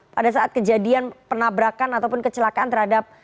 pada saat kejadian penabrakan ataupun kecelakaan terhadap